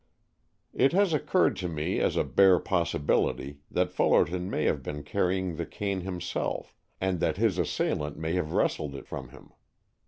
"It has occurred to me as a bare possibility that Fullerton may have been carrying the cane himself, and that his assailant may have wrested it from him.